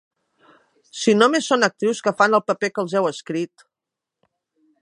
Si només són actrius que fan el paper que els heu escrit!